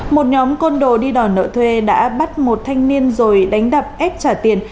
một nhóm côn đồ đi đòi nợ thuê đã bắt một thanh niên rồi đánh đập ép trả tiền